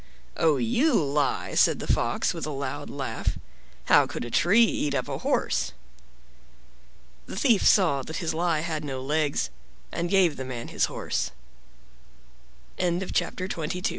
"Oh, you lie," said the Fox, with a loud laugh; "how could a tree eat up a horse?" The Thief saw his lie had no legs, and gave the man his horse. THE FARMER AND THE FOX By Ra